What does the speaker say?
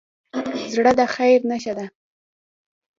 زړه د خیر نښه ده.